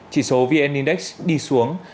chỉ số vn index đi xuống